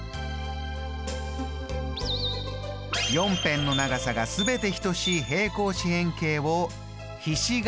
４辺の長さが全て等しい平行四辺形をひし形。